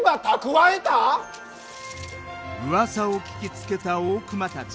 うわさを聞きつけた大隈たち。